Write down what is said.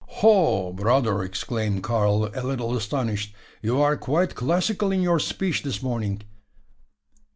"Ho! brother!" exclaimed Karl, a little astonished. "You are quite classical in your speech this morning.